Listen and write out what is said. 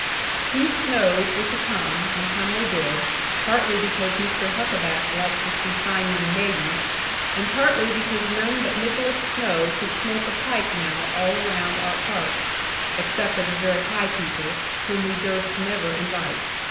These Snowes were to come, and come they did, partly because Mr. Huckaback liked to see fine young maidens, and partly because none but Nicholas Snowe could smoke a pipe now all around our parts, except of the very high people, whom we durst never invite.